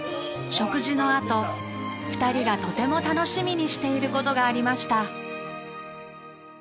食事のあと２人がとても楽しみにしている事がありました。